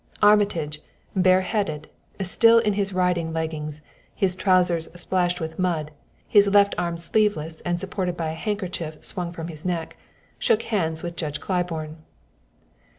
Armitage, bareheaded, still in his riding leggings, his trousers splashed with mud, his left arm sleeveless and supported by a handkerchief swung from his neck, shook hands with Judge Claiborne.